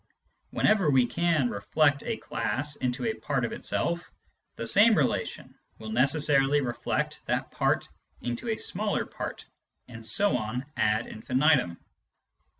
Whenever we can " reflect " a class into a part of itself, the same relation will necessarily reflect that part into a smaller part, and so on ad infinitum.